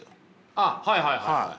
あっはいはいはいはい。